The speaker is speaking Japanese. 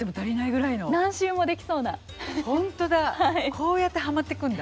こうやってハマっていくんだ。